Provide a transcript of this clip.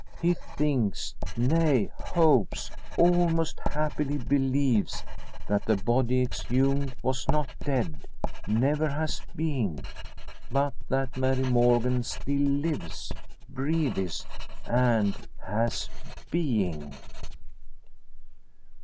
He thinks, nay hopes almost happily believes that the body exhumed was not dead never has been but that Mary Morgan still lives, breathes, and has being!